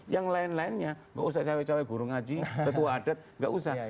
yang lain lainnya nggak usah cawe cawe guru ngaji ketua adat nggak usah